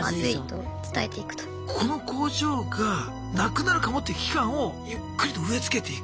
この工場がなくなるかもって危機感をゆっくりと植え付けていく？